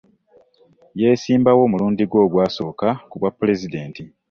Yeesimbawo omulundi gwe ogwasooka ku bwa pulezidenti.